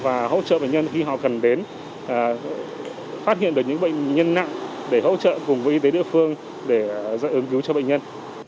phát hiện được những bệnh nhân nặng để hỗ trợ cùng với y tế địa phương để giải ứng cứu cho bệnh nhân